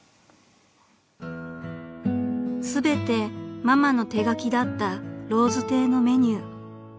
［全てママの手書きだった薔薇亭のメニュー］